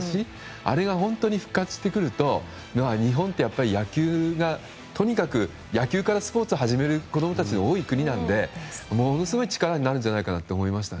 あれが本当に復活してくると日本って、野球からスポーツを始める子が多い国なのでものすごい力になるんじゃないかなと思いましたね。